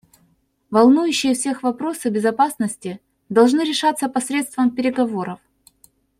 Волнующие всех вопросы безопасности должны решаться посредством переговоров.